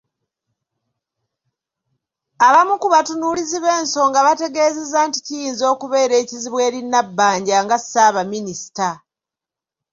Abamu ku batunuulizi b’ensonga bategeezezza nti kiyinza okubeera ekizibu eri Nabbanja nga Ssaabaminisita.